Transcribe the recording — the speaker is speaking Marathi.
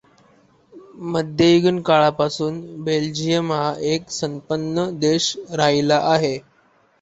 मध्ययुगीन काळापासून बेल्जियम हा एक संपन्न देश राहिला आहे.